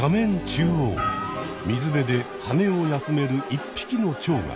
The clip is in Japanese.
中央水辺ではねを休める１ぴきのチョウが！